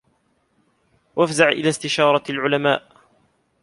وَافْزَعْ إلَى اسْتِشَارَةِ الْعُلَمَاءِ